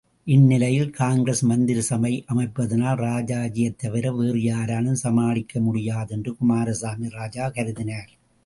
இந்நிலையில் காங்கிரஸ் மந்திரிசபை அமைப்பதானால் ராஜாஜியைத் தவிர வேறு யாராலும் சமாளிக்க முடியாது என்று குமாரசாமி ராஜா கருதினார்.